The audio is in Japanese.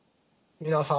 皆さん